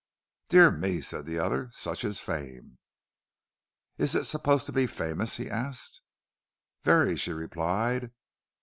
"Dear me," said the other. "Such is fame!" "Is it supposed to be famous?" he asked. "Very," she replied.